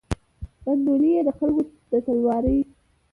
بندولې یې د خلکو د تلو لاري